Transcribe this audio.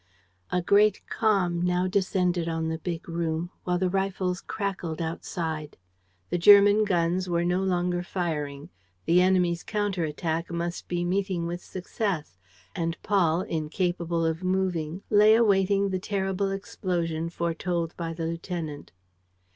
A great calm now descended on the big room, while the rifles crackled outside. The German guns were no longer firing. The enemy's counter attack must be meeting with success; and Paul, incapable of moving, lay awaiting the terrible explosion foretold by the lieutenant.